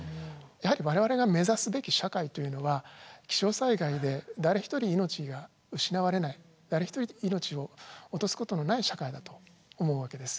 やはり我々が目指すべき社会というのは気象災害で誰一人命が失われない誰一人命を落とすことのない社会だと思うわけです。